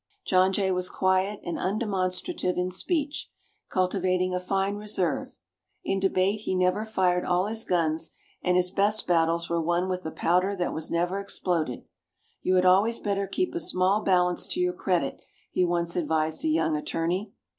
John Jay was quiet and undemonstrative in speech, cultivating a fine reserve. In debate he never fired all his guns, and his best battles were won with the powder that was never exploded. "You had always better keep a small balance to your credit," he once advised a young attorney.